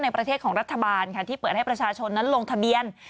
ประเทศของรัฐบาลค่ะที่เปิดให้ประชาชนนั้นลงทะเบียน